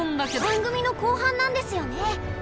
番組の後半なんですよね？